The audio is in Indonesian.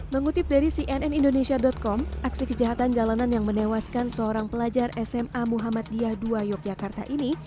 mengutip dari cnnindonesia com aksi kejahatan jalanan yang menewaskan seorang pelajar sma muhammad diyah ii yogyakarta ini